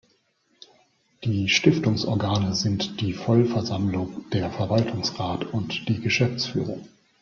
Die Stiftungsorgane sind die Vollversammlung, der Verwaltungsrat und die Geschäftsführung.